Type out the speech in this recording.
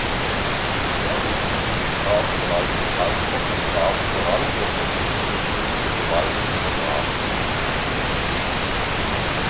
Gefährdet sind die artenreichen Halbtrockenrasen vor allem durch Verbuschung und fehlende Beweidung oder Mahd.